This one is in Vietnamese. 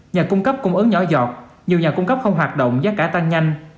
nhà cung cấp cũng ớn nhỏ dọt nhiều nhà cung cấp không hoạt động giá cả tăng nhanh